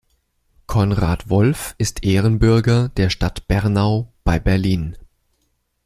Konrad Wolf ist Ehrenbürger der Stadt Bernau bei Berlin.